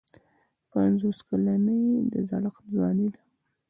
پنځوس کلني د زړښت ځواني ده.